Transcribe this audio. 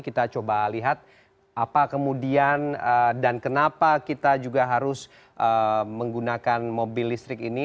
kita coba lihat apa kemudian dan kenapa kita juga harus menggunakan mobil listrik ini